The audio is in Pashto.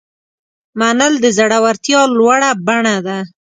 منل د زړورتیا لوړه بڼه ده.